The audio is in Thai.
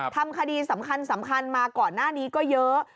ทำคดีสำคัญมาก่อนหน้านี้ก็เยอะ